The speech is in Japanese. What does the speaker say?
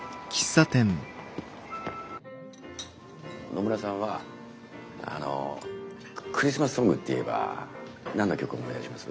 野村さんはあのククリスマスソングっていえば何の曲思い出します？